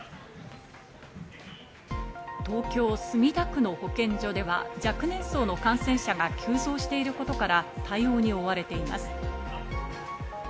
東京・墨田区の保健所では若年層の感染者が急増していることから対応に追われています。